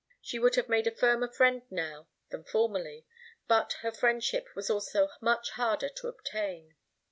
She would have made a firmer friend now, than formerly, but her friendship was also much harder to obtain.